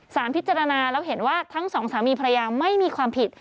พิจารณาแล้วเห็นว่าทั้งสองสามีภรรยาไม่มีความผิด